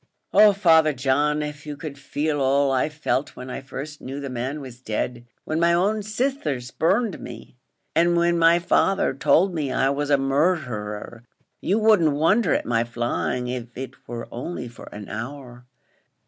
"Oh, Father John, av you could feel all I felt when I first knew the man was dead when my own sisther spurned me and when my father told me I was a murdherer, you wouldn't wonder at my flying, av it were only for an hour."